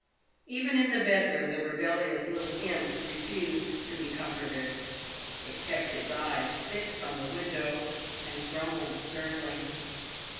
Even in the bedroom the rebellious little imp refused to be comforted. It kept its eyes fixed on the window, and grumbled sternly.